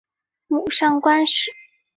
母上官氏。